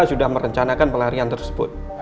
sudah merencanakan pelarian tersebut